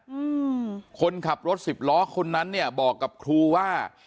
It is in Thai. อืมคนขับรถสิบล้อคนนั้นเนี่ยบอกกับครูว่า